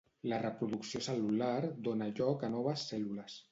La reproducció cel·lular dóna lloc a noves cèl·lules.